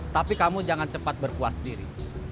tapi kamu jangan cepat berpuas diri